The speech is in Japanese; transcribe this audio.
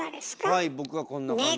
はい僕はこんな感じです。